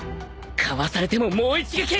かわされてももう一撃！